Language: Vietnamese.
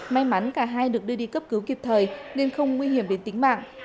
may mắn cả hai được đưa đi cấp cứu kịp thời nên không nguy hiểm đến tính mạng